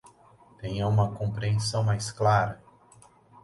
Tenha uma compreensão mais clara